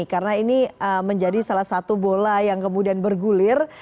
karena ini menjadi salah satu bola yang kemudian bergulir